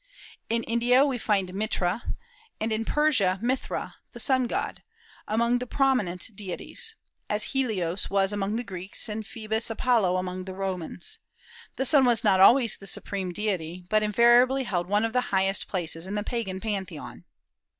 In India we find Mitra, and in Persia Mithra, the sun god, among the prominent deities, as Helios was among the Greeks, and Phoebus Apollo among the Romans. The sun was not always the supreme divinity, but invariably held one of the highest places in the Pagan pantheon.